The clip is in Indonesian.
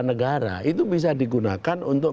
negara itu bisa digunakan untuk